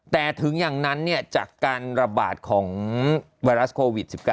แต่ถึงอย่างนั้นจากการระบาดของไวรัสโควิด๑๙